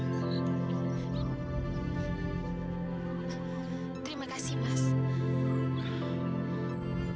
terima kasih mas